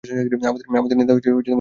আমাদের নেতা দীর্ঘজীবী হোক।